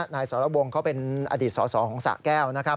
นายสรวงเขาเป็นอดีตสอของสะแก้ว